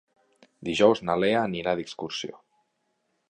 Dijous na Lea anirà d'excursió.